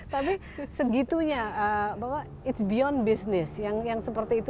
tapi segitunya bahwa it's beyond business yang seperti itu